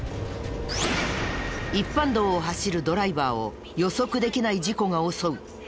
一般道を走るドライバーを予測できない事故が襲う。